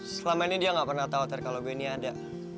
selama ini dia gak pernah tau ter kalau gue ini ada